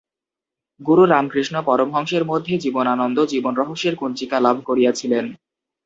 গুরু রামকৃষ্ণ পরমহংসের মধ্যে বিবেকানন্দ জীবন-রহস্যের কুঞ্চিকা লাভ করিয়াছিলেন।